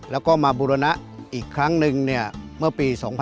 แล้วก็มาบูรณะอีกครั้งหนึ่งเนี่ยเมื่อปี๒๐๐๗